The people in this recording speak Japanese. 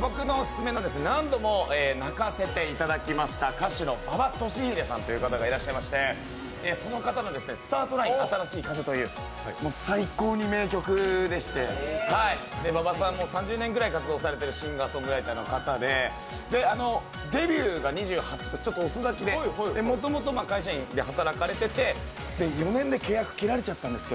僕のオススメの何度も泣かせていただきました歌手の馬場俊英さんという方がいらっしゃいまして、その方の「スタートライン新しい風」という、もう最高に名曲でして馬場さんは３０年ぐらい活動されているシンガーソングライターの方でデビューが２８ってちょっと遅咲きでもともと会社員で働かれてて、４年で契約、切られてしまったんです。